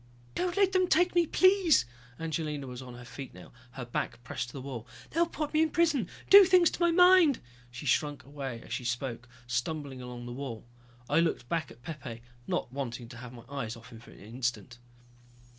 "Don't let them take me, please!" Angelina was on her feet now, her back pressed to the wall. "They'll put me in prison, do things to my mind!" She shrunk away as she spoke, stumbling along the wall. I looked back at Pepe, not wanting to have my eyes off him for an instant.